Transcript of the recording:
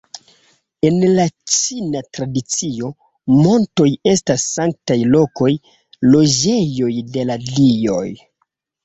En la ĉina tradicio, montoj estas sanktaj lokoj, loĝejoj de la dioj.